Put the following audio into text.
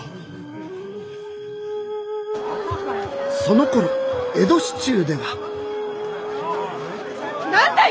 そのころ江戸市中では何だい？